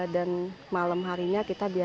dan malam harinya kita selesai jam tujuh lima belas